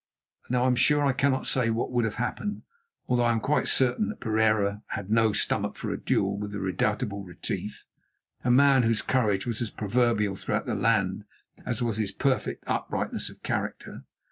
Now, I am sure I cannot say what would have happened, although I am quite certain that Pereira had no stomach for a duel with the redoubtable Retief, a man whose courage was as proverbial throughout the land as was his perfect uprightness of character.